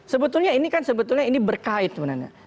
sebetulnya ini kan sebetulnya ini berkait sebenarnya